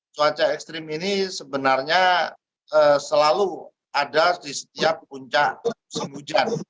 cuaca ekstrim ini sebenarnya selalu ada di setiap puncak musim hujan